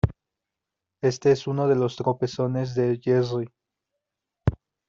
Este es uno de los tropezones de Jerry